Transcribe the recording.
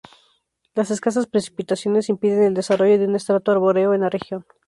Las escasas precipitaciones impiden el desarrollo de un estrato arbóreo en la región.